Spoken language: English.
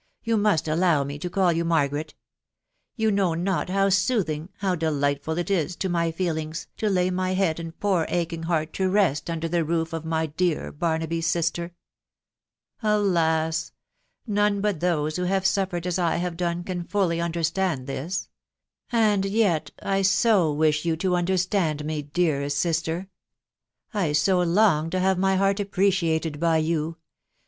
*... yo* nrnst allow me to eaTl yoti Margaret you know not bow soothing ^ he* deiightfal itis to my feelings, to lay my head and poor aching heart to Teat under the roof of my dear Barnetoy'e sister !.*.. Ake J none tat these who hare suffered as I have done can ftfly understand this. .*. And yet 2 so rnneh wish yen to tmdetstand me, deadest sister !.... I so long to hate my heart appreciated by you !.